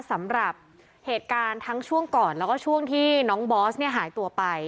สำหรับเหตุการณ์ทั้งช่วงก่อนแล้วก็ช่วงที่น้องบอสเนี่ยหายตัวไป